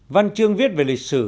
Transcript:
văn chương viết về lịch sử